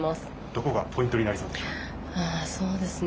どこがポイントになりそうですか？